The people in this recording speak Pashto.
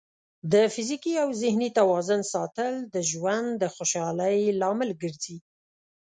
د فزیکي او ذهني توازن ساتل د ژوند د خوشحالۍ لامل ګرځي.